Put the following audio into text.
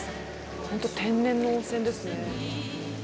本当天然の温泉ですね。